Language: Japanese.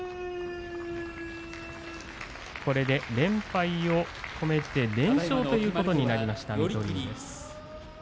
これで連敗を止めて連勝となりました水戸龍です。